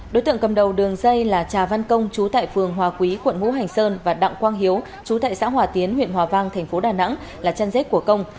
đối tượng cầm đầu đường dây là trà văn công chú tại phường hòa quý quận ngũ hành sơn và đặng quang hiếu chú tại xã hòa tiến huyện hòa vang tp đà nẵng là chân dết của công